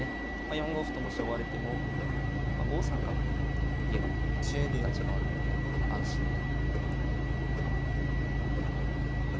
４五歩ともし追われても５三角とね逃げる形もあるので安心と。